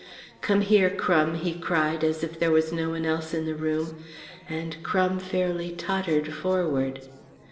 "Come here, Crum," he cried as if there was no one else in the room. And Crum fairly tottered forward.